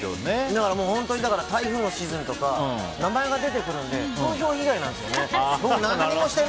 だから、本当に台風のシーズンとか名前が出てるので風評被害なんですよね。